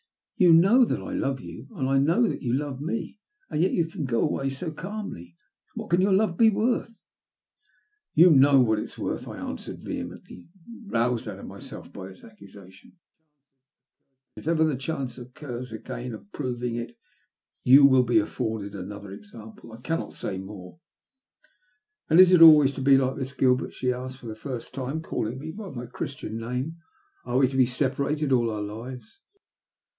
*' You know that I love you, and I know that you love me — and yet you can go away so calmly. YiThat can your love be worth ?"You know what it is worth," I answered vehe mently, roused out of myself by this accusation. *' And it ever the chance occurs again of proving it you will be a£Ebrded another example. I cannot say more." ■A >^^ 2S0 THE LUST OF HATB. ''And 18 it always to be like this, Gilbert/' sha asked, for the first time calling me by my Chiistian name. ''Are we to be separated all our lives?"